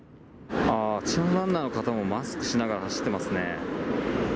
あちらのランナーの方も、マスクしながら走ってますね。